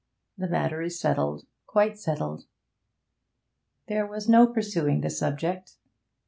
'The matter is settled quite settled.' There was no pursuing the subject.